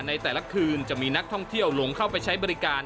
ในแต่ละคืนจะมีนักท่องเที่ยวหลงเข้าไปใช้บริการ